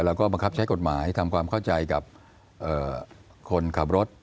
แล้วก็บังคับใช้กฎหมายทำความเข้าใจกับคนขับรถ